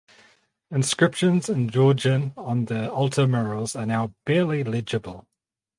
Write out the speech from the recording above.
Inscriptions in Georgian on the altar murals are now barely legible.